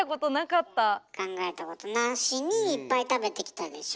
考えたことなしにいっぱい食べてきたでしょ？